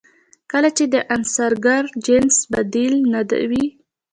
کله چې د انحصارګر جنس بدیل نه وي.